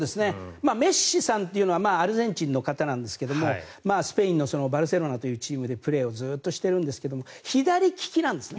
メッシさんっていうのはアルゼンチンの方なんですがスペインのバルセロナというチームでずっとプレーをしているんですが左利きなんです。